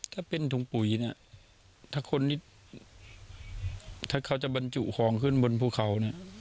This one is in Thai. ถ้าเป็นถุงปุ๋ยถ้าคนถามพวกเขาจะบรรจุของขึ้นบนภูเขา